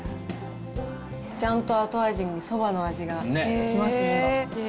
ちゃんと後味にそばの味が来ますね。